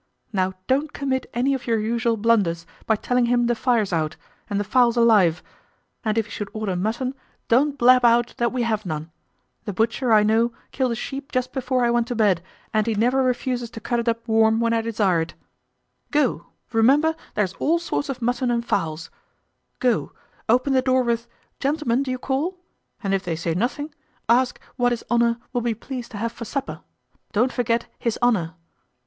Now don't commit any of your usual blunders, by telling him the fire's out, and the fowls alive. And if he should order mutton, don't blab out that we have none. The butcher, I know, killed a sheep just before I went to bed, and he never refuses to cut it up warm when I desire it. Go, remember there's all sorts of mutton and fowls; go, open the door with, Gentlemen, d'ye call? and if they say nothing, ask what his honour will be pleased to have for supper? Don't forget his honour.